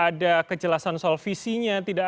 ada kejelasan soal visinya tidak